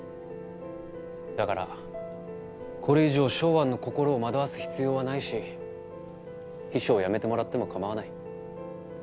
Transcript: だからこれ以上ショウアンの心を惑わす必要はないし秘書を辞めてもらっても構わない。